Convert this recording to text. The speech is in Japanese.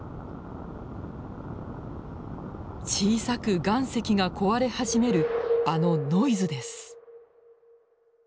小さく岩石が壊れ始めるあのノイズです。